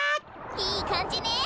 いいかんじね。